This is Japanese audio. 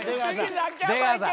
出川さん